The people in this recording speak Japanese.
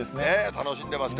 楽しんでますね。